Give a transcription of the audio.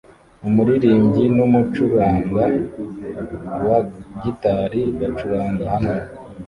Umuririmbyi n'umucuranga wa gitari bacuranga hamwe